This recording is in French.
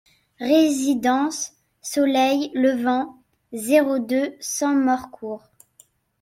Résidence Soleil Levant, zéro deux, cent Morcourt